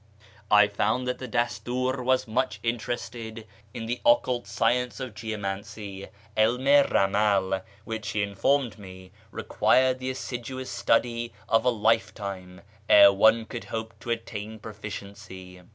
I found that the Dastur was much interested in the occult science of geomancy (^ilm i ramal), which, he informed me, required the assiduous study of a life time ere one could hope to attain proficiency.